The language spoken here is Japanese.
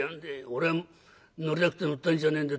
俺は乗りたくて乗ったんじゃねえんだ。